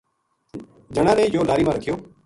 جنا نے یوہ لاری ما رکھیو